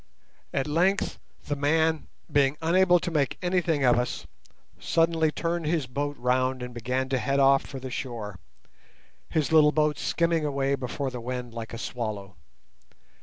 At length, the man, being unable to make anything of us, suddenly turned his boat round and began to head off for the shore, his little boat skimming away before the wind like a swallow.